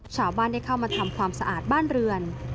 ชาวบ้านได้เข้ามาทำความสะอาดบ้านเรือน